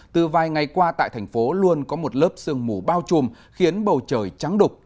từ vài ngày qua tại thành phố luôn có một lớp sương mù bao trùm khiến bầu trời trắng đục